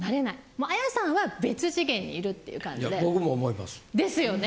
もう彩さんは別次元にいるっていう感じで。ですよね。